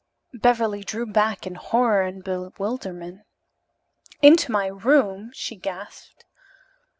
Beverly drew back in horror and bewilderment. "Into my room?" she gasped.